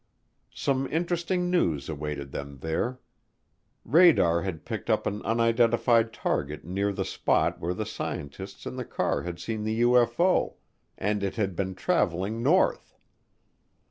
Some interesting news awaited them there. Radar had picked up an unidentified target near the spot where the scientists in the car had seen the UFO, and it had been traveling north.